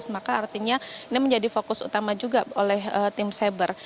maka artinya ini menjadi fokus utama juga oleh tim cyber